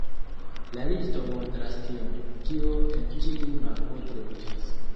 La listo montras tion, kio en ĉiu mapo troviĝas.